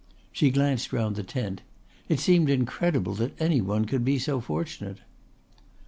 She glanced round the tent. It seemed incredible that any one could be so fortunate.